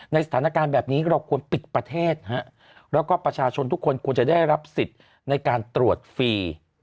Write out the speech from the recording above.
สถานการณ์แบบนี้เราควรปิดประเทศแล้วก็ประชาชนทุกคนควรจะได้รับสิทธิ์ในการตรวจฟรี